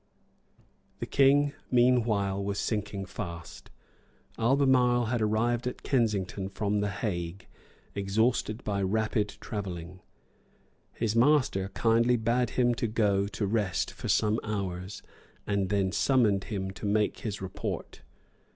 The King meanwhile was sinking fast. Albemarle had arrived at Kensington from the Hague, exhausted by rapid travelling. His master kindly bade him go to rest for some hours, and then summoned him to make his report.